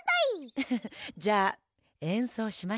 ウフフ。じゃあえんそうしましょうか。